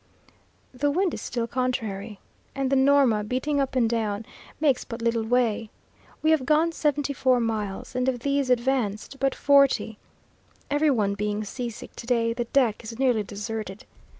The wind is still contrary, and the Norma, beating up and down, makes but little way. We have gone seventy four miles, and of these advanced but forty. Every one being sick to day, the deck is nearly deserted.